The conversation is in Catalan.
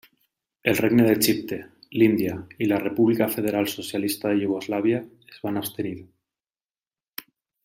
El Regne d'Egipte, l'Índia i la República Federal Socialista de Iugoslàvia es van abstenir.